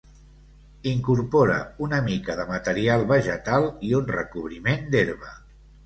Incorpora una mica de material vegetal i un recobriment d'herba.